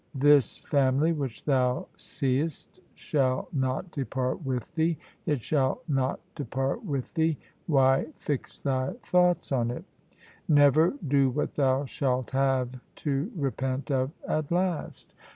This family which thou seest shall not depart with thee ; It shall not depart with thee ; why fix thy thoughts on it ? Never do what thou shalt have to repent of at last.